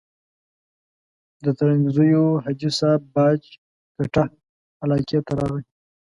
د ترنګزیو حاجي صاحب باج کټه علاقې ته راغی.